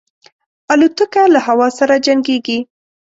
الوتکه له هوا سره جنګيږي.